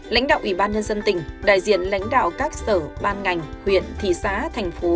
lãnh đạo ủy ban nhân dân tỉnh đại diện lãnh đạo các sở ban ngành huyện thị xã thành phố